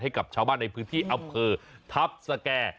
ให้กับชาวบ้านในพื้นที่อำเภอทัพสแก่